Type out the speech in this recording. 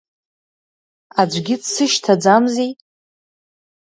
Аӡәгьы дсышьҭаӡамзи?